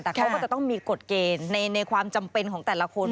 แต่เขาก็จะต้องมีกฎเกณฑ์ในความจำเป็นของแต่ละคน